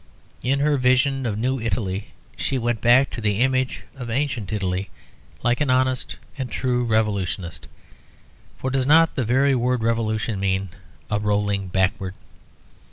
In her vision of New Italy she went back to the image of Ancient Italy like an honest and true revolutionist; for does not the very word "revolution" mean a rolling backward.